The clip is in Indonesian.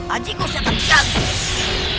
ajiku setan jangki